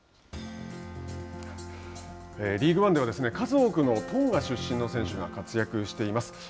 リーグワンでは数多くのトンガ出身の選手が活躍しています。